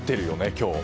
今日。